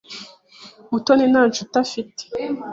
Mutoni nta nshuti afite.